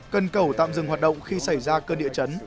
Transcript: cần cầu tạm dừng hoạt động khi xảy ra cơn địa chấn